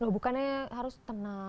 bukannya harus tenang